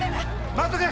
待っとけ！